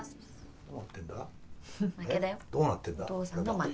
どうなってんだ？